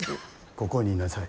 ここにいなさい。